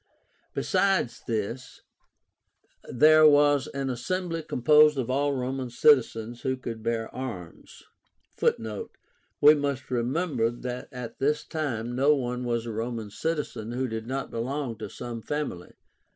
Besides this, there was an assembly composed of all Roman citizens who could bear arms. (Footnote: We must remember that at this time no one was a Roman citizen who did not belong to some family.